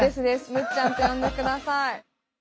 むっちゃんって呼んで下さい。